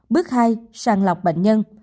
bước hai sàng lọc bệnh nhân